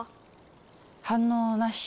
反応なし。